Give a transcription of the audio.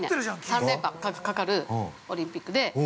三連覇がかかるオリンピックで。